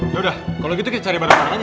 yaudah kalau gitu kita cari bareng bareng aja